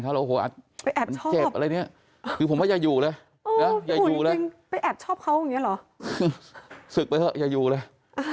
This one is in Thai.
ภาพภาพภาพภาพภาพภาพภาพภาพภาพภาพภา